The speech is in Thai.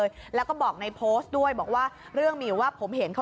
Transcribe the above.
จ้ะหนูรักไม่ได้จริงจ้ะหนูรักไม่ได้จริงจ้ะ